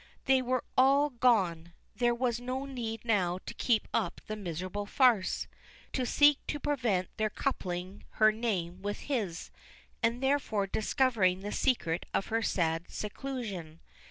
They were all gone: there was no need now to keep up the miserable farce to seek to prevent their coupling her name with his, and therefore discovering the secret of her sad seclusion.